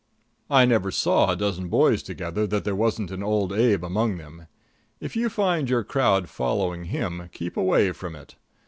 I never saw a dozen boys together that there wasn't an Old Abe among them. If you find your crowd following him, keep away from it.